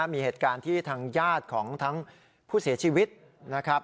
มีเหตุการณ์ที่ทางญาติของทั้งผู้เสียชีวิตนะครับ